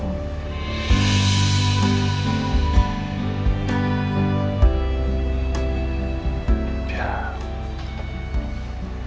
si yumi itu udah kembali ke mas